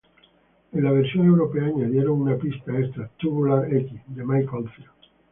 En la versión europea, añadieron una pista extra, "Tubular X" de Mike Oldfield.